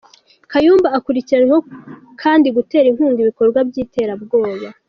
Kayumba akurikiranyweho kandi gutera inkunga ibikorwa by’iterabwoba.